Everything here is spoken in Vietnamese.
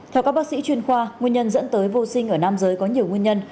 theo các bác sĩ chuyên khoa nguyên nhân dẫn tới vô sinh ở nam giới có nhiều nguyên nhân